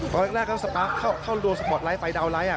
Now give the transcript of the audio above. ตอนแรกเขาสปาร์คเข้ารวมสปอร์ตไลท์ไปดาวนไลท์